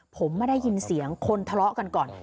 ผมไม่ได้ยินเสียงคนทะเลาะกันก่อน